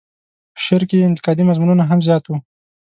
په شعر کې یې انتقادي مضمونونه هم زیات وو.